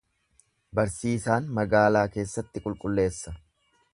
Barsiisaan magaalaa keessatti qulqulleessa.